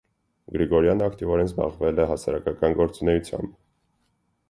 Գրիգորյանը ակտիվորեն զբաղվել է հասարակական գործունեությամբ։